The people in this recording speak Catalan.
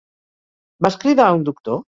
Vas cridar a un doctor?